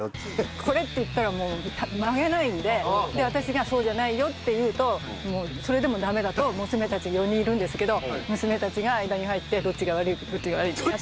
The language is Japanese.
これっていったら曲げないので私がそうじゃないよって言うとそれでもダメだと娘たち４人いるんですけど娘たちが間に入ってどっちが悪いどっちが悪い。